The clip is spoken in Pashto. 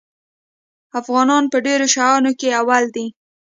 افغانان په ډېرو شیانو کې اول دي.